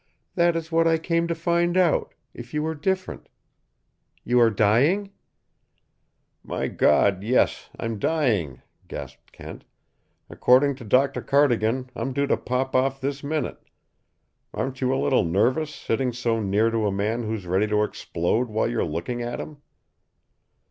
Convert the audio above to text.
"That is what I came to find out, if you were different. You are dying?" "My God yes I'm dying!" gasped Kent. "According to Dr. Cardigan I'm due to pop off this minute. Aren't you a little nervous, sitting so near to a man who's ready to explode while you're looking at him?"